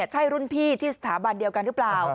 ใช่รุ่นพี่ที่สถาบันเดียวกันหรือเปล่า